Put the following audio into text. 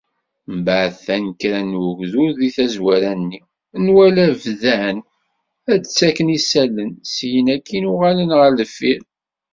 Mbeɛd tanekkra n ugdud di tazwara-nni, nwala bdan ad d-ttaken isallen, syin akkin uɣalen ɣer deffir.